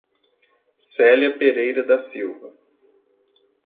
Celia Pereira da Silva